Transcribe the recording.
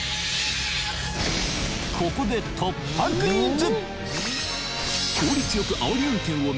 ここで突破クイズ！